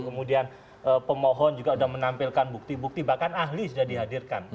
kemudian pemohon juga sudah menampilkan bukti bukti bahkan ahli sudah dihadirkan